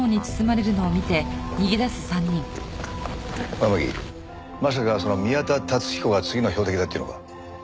天樹まさかその宮田達彦が次の標的だっていうのか？